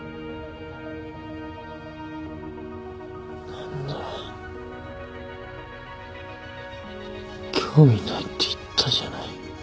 何で興味ないって言ったじゃない。